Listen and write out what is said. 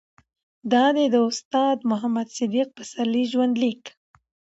دا دي د استاد محمد صديق پسرلي ژوند ليک